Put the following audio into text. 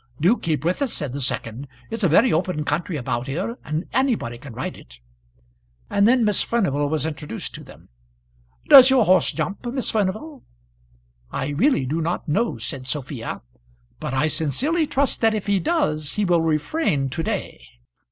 "Do keep up with us," said the second. "It's a very open country about here, and anybody can ride it." And then Miss Furnival was introduced to them. "Does your horse jump, Miss Furnival?" "I really do not know," said Sophia; "but I sincerely trust that if he does, he will refrain to day."